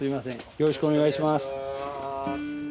よろしくお願いします。